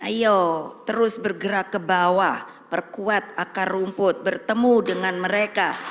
ayo terus bergerak ke bawah perkuat akar rumput bertemu dengan mereka